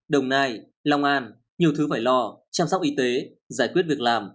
đồng nai long an nhiều thứ phải lo chăm sóc y tế giải quyết việc làm